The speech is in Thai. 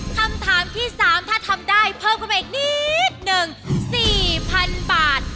คำถามที่๓ถ้าทำได้เพิ่มขึ้นไปอีกนิดนึง๔๐๐๐บาท